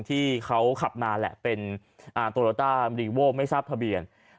ที่เขาขับมาแหละเป็นโตโลต้ารีโว้ไม่ทราบทะเบียน